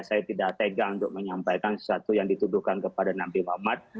saya tidak tega untuk menyampaikan sesuatu yang dituduhkan kepada nabi muhammad